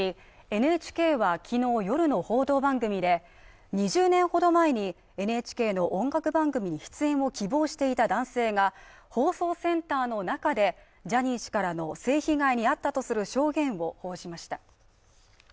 ＮＨＫは昨日、夜の報道番組で２０年ほど前にＮＨＫの音楽番組に出演を希望していた男性が放送センターの中でジャニー氏からの性被害にあったとする証言を報じました